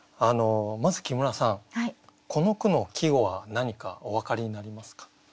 まず木村さんこの句の季語は何かお分かりになりますか？